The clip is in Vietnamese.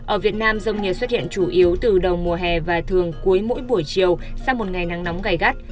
ở việt nam rông nhiệt xuất hiện chủ yếu từ đầu mùa hè và thường cuối mỗi buổi chiều sau một ngày nắng nóng gai gắt